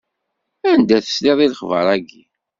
Anda tesliḍ i lexber-ayi?